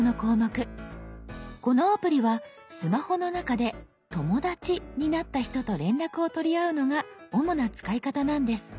このアプリはスマホの中で「友だち」になった人と連絡を取り合うのが主な使い方なんです。